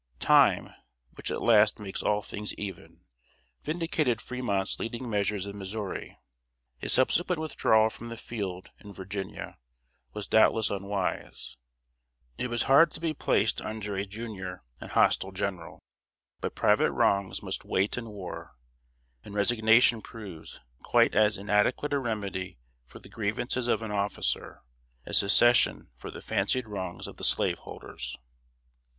] Time, which at last makes all things even, vindicated Fremont's leading measures in Missouri. His subsequent withdrawal from the field, in Virginia, was doubtless unwise. It was hard to be placed under a junior and hostile general; but private wrongs must wait in war, and resignation proves quite as inadequate a remedy for the grievances of an officer, as Secession for the fancied wrongs of the Slaveholders.